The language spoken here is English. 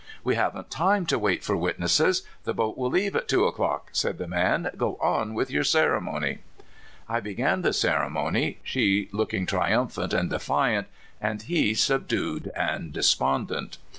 ''We haven't time to wait for witnesses; the boat will leave at two o'clock," said the man. '' Go on with 3' our ceremon3^" I began the ceremony, she looking triumphant and detiant, and he subdued and despondent.